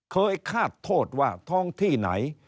คาดโทษว่าท้องที่ไหน